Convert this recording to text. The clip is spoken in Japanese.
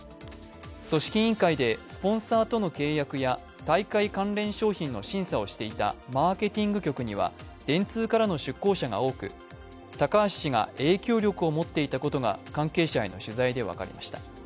組織委員会でスポンサーとの契約や大会関連商品の審査をしていたマーケティング局には電通からの出向者が多く、高橋氏が影響力を持っていたことが関係者への取材で分かりました。